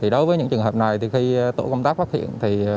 đối với những trường hợp này khi tổ công tác phát hiện